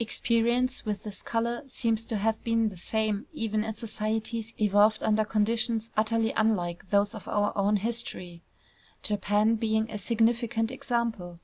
Experience with this color seems to have been the same even in societies evolved under conditions utterly unlike those of our own history, Japan being a significant example.